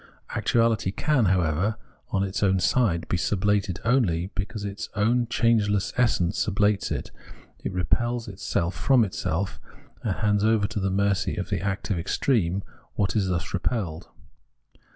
Actuality can, however, on its own side, be sublated only because its own changeless essence sublates it, repels itself from itself, and hands over to the mercy of the active extreme what is thus repelled.